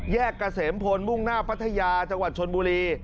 แยกกระเสมพลมุ่งหน้าปัทยาจังหวัดชนบุรี